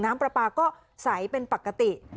น้ำปลาปลาก็ใสเป็นปกติ